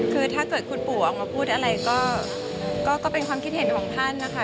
คือถ้าเกิดคุณปู่ออกมาพูดอะไรก็เป็นความคิดเห็นของท่านนะคะ